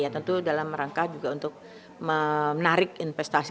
tentu dalam rangka juga untuk menarik investasi